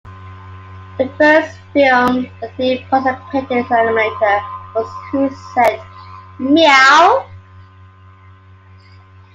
The first film that he participated in as an animator was "Who Said "Meow"?